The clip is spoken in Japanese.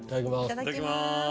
いただきます